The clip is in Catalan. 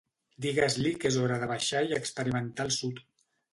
Digues-li que és hora de baixar i experimentar el sud.